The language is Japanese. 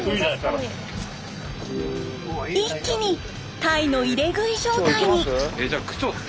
一気に鯛の入れ食い状態に！